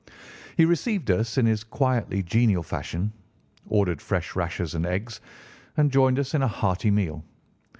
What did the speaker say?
He received us in his quietly genial fashion, ordered fresh rashers and eggs, and joined us in a hearty meal.